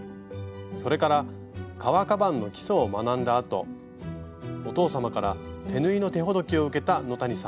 それから革カバンの基礎を学んだあとお父様から手縫いの手ほどきを受けた野谷さん。